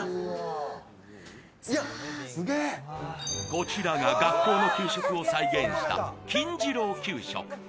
こちらが学校の給食を再現した金次郎給食。